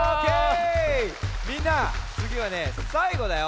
みんなつぎはねさいごだよ。